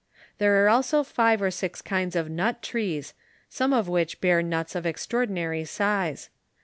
There are also five or six kinds of nut trees, some of which bear nuts of extraordinary size.